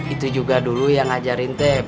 itu juga dulu yang ngajarin tep